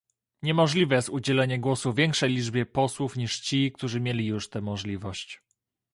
Niemożliwe jest udzielenie głosu większej liczbie posłów niż ci, którzy mieli już tę możliwość